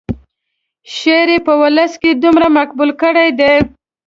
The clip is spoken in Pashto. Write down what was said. شعر یې په ولس کې دومره مقبول کړی دی.